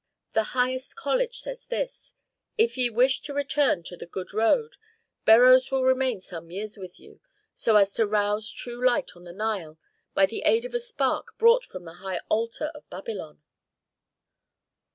"The highest college says this: 'If ye wish to return to the good road, Beroes will remain some years with you, so as to rouse true light on the Nile by the aid of a spark brought from the high altar of Babylon.'"